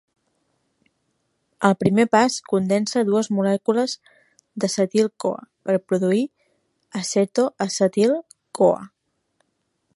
El primer pas condensa dues molècules de acetil-CoA per produir aceto-acetil-CoA.